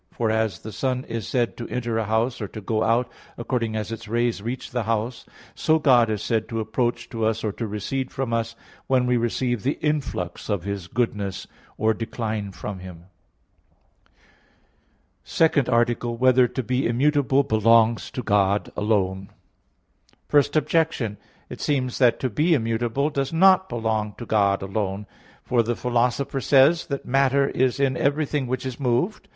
For as the sun is said to enter a house, or to go out, according as its rays reach the house, so God is said to approach to us, or to recede from us, when we receive the influx of His goodness, or decline from Him. _______________________ SECOND ARTICLE [I. Q. 9, Art. 2] Whether to Be Immutable Belongs to God Alone? Objection 1: It seems that to be immutable does not belong to God alone. For the Philosopher says (Metaph. ii) that "matter is in everything which is moved."